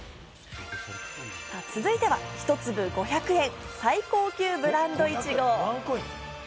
続いては１粒５００円、最高級ブランドいちご。